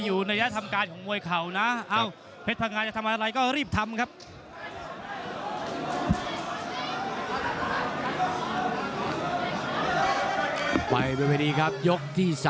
ยังตีไม่ได้